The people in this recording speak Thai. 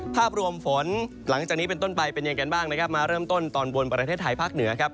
ภาพรวมฝนหลังจากนี้เป็นต้นไปเป็นยังไงกันบ้างนะครับมาเริ่มต้นตอนบนประเทศไทยภาคเหนือครับ